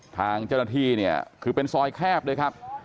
ทางเจ้าหน้าที่เนี่ยคือเป็นซอยแคบเลยครับ